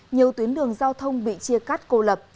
nhiều tuyến đường giao thông bị chia cắt cô lập